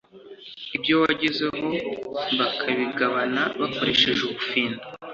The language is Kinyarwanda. ibyo wagezeho bakabigabana bakoresheje ubufindo